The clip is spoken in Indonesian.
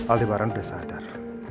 aldebaran udah sadar